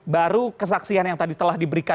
baru kesaksian yang tadi telah diberikan